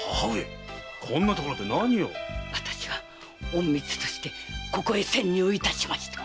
私は隠密としてここへ潜入いたしました。